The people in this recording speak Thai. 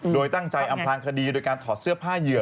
โดยตั้งใจอำพลางคดีโดยการถอดเสื้อผ้าเหยื่อ